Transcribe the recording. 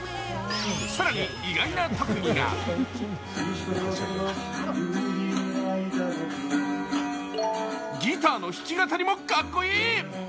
更に、意外な特技がギターの弾き語りもかっこいい。